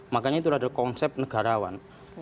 makanya itu adalah konsep negarawan